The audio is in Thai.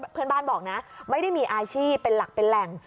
เพื่อนบ้านบอกนะไม่ได้มีอาชีพเป็นหลักเป็นแหล่ง